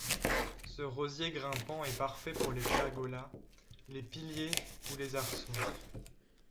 Ce rosier grimpant est parfait pour les pergolas, les piliers ou les arceaux.